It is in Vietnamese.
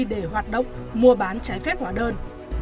để hoạt động mua bán trái phép hóa đơn